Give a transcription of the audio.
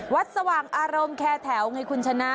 สว่างอารมณ์แคร์แถวไงคุณชนะ